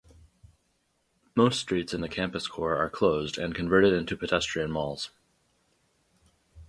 Most streets in the campus core are closed and converted into pedestrian malls.